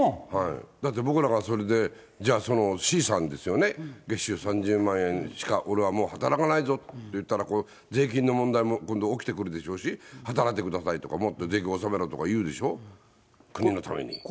だって、僕なんかそれで、じゃあ、そのＣさんですよね、月収３０万円しか俺はもう働かないぞって言ったら、これ、税金の問題も今度起きてくるでしょうし、働いてくださいとかもっと税金納めろとか言うでしょ、国のために。